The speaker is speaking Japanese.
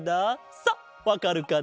さっわかるかな？